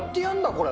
これ。